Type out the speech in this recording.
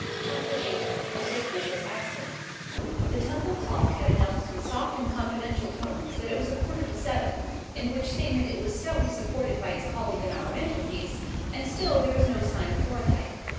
CHAPTER VIII A SUSPICIOUS ACCIDENT The Temple clock had announced in soft and confidential tones that it was a quarter to seven, in which statement it was stoutly supported by its colleague on our mantelpiece, and still there was no sign of Thorndyke.